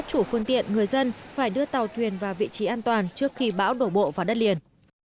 chủ phương tiện người dân phải đưa tàu thuyền vào vị trí an toàn trước khi bão đổ bộ vào đất liền